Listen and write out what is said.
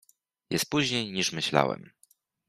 "Jest później, niż myślałem."